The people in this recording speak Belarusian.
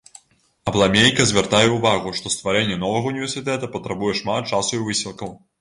Абламейка звяртае ўвагу, што стварэнне новага ўніверсітэта патрабуе шмат часу і высілкаў.